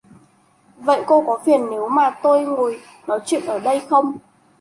Vậy cô có phiền nếu mà tôi ngồi nói chuyện ở đây không